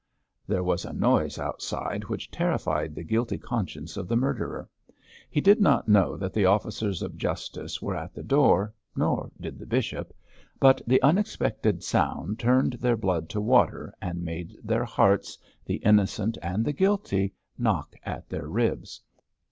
There was a noise outside which terrified the guilty conscience of the murderer. He did not know that the officers of justice were at the door, nor did the bishop, but the unexpected sound turned their blood to water, and made their hearts, the innocent and the guilty, knock at their ribs.